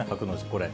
これ。